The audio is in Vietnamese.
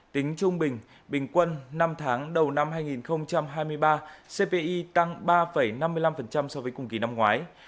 tính trung bình bình quân năm tháng đầu năm hai nghìn hai mươi ba cpi tăng ba năm mươi năm so với cùng kỳ năm ngoái